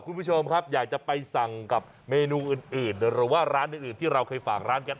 คุณผู้ชมครับอยากจะไปสั่งกับเมนูอื่นหรือว่าร้านอื่นที่เราเคยฝากร้านกัน